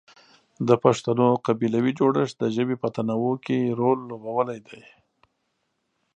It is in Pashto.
د پښتنو قبیلوي جوړښت د ژبې په تنوع کې رول لوبولی دی.